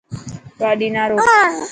گاڏي نا روڪ.